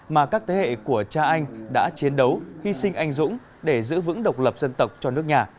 mà các thế hệ của cha anh đã chiến đấu hy sinh anh dũng để giữ vững độc lập dân tộc cho nước nhà